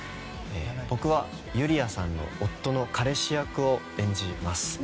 僕はゆりあさんの夫の彼氏役を演じます。